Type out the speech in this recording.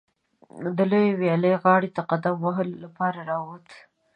د لویې ویالې غاړې ته د قدم وهلو لپاره راووت.